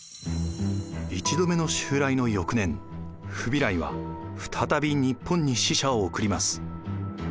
１度目の襲来の翌年フビライは再び日本に使者を送ります。